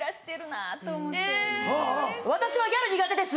私はギャル苦手です。